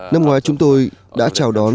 năm ngoái chúng tôi đã chào đón